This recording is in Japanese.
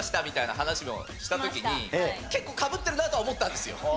みたいな話をした時に結構かぶってるなとは思ったんですよ。